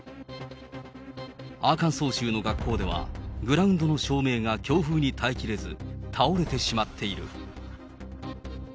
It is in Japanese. アーカンソー州の学校では、グラウンドの照明が強風に耐えきれず、倒れてしまっている。